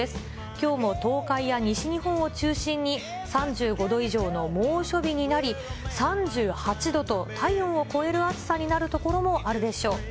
きょうも東海や西日本を中心に３５度以上の猛暑日になり、３８度と体温を超える暑さになる所もあるでしょう。